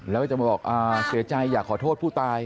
แล้วก็จะมาบอกเสียใจอยากขอโทษผู้ตาย